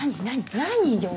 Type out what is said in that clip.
何よ？